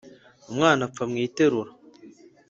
Umwana apfa mu iterura.